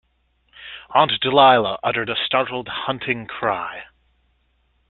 Aunt Dahlia uttered a startled hunting cry.